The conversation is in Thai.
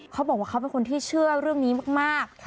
เขาบอกว่าเขาเป็นคนที่เชื่อเรื่องนี้มาก